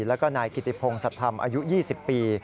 แล้วก็นายกิติพงศัตวธรรมอายุ๒๐ปี